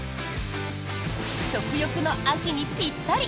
食欲の秋にぴったり！